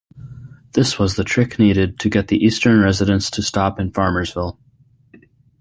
This was the trick needed to get the eastern residents to stop in Farmersville.